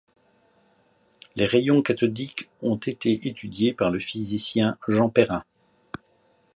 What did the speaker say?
Les rayons cathodiques ont aussi été étudiés par le physicien Jean Perrin.